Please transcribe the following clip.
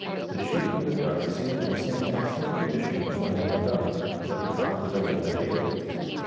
The sheep and the duck seemed in the same excellent condition as when they went up, but the cock was evidently ailing.